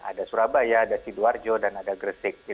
ada surabaya ada sidoarjo dan ada gresik